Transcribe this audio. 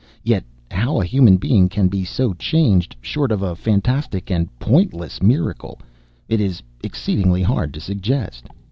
Yet how a human being can be so changed, short of a fantastic and pointless miracle, it is exceedingly hard to suggest.